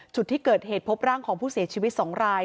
จุดที่เกิดเหตุพบร่างของผู้เสียชีวิต๒ราย